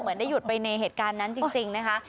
ได้หยุดไปในเหตุการณ์นั้นจริงนะคะ